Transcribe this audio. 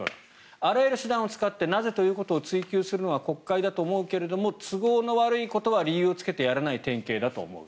あらゆる手段を使ってなぜということを追及するのが国会だと思うけれど都合の悪いことは理由をつけてやらない典型だと思うと。